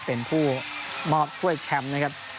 เป็นผู้มอบถ้วยแชมป์นะครับ